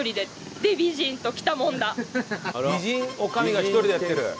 美人女将が一人でやってる？